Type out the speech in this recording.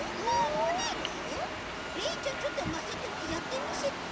えっじゃあちょっとまさともやってみせて。